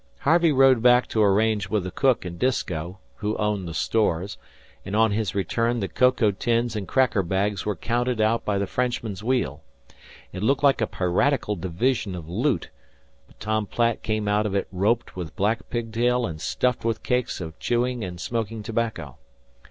Harvey rowed back to arrange with the cook and Disko, who owned the stores, and on his return the cocoa tins and cracker bags were counted out by the Frenchman's wheel. It looked like a piratical division of loot; but Tom Platt came out of it roped with black pigtail and stuffed with cakes of chewing and smoking tobacco.